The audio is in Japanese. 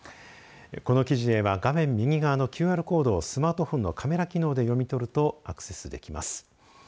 この記事では画面右側のＱＲコードをスマートフォンのカメラ機能で読み取るとアクセスできます。